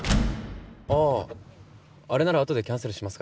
あああれならあとでキャンセルしますから。